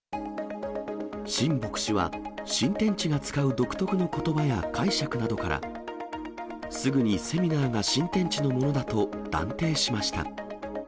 シン牧師は、新天地が使う独特のことばや解釈などから、すぐにセミナーが新天地のものだと断定しました。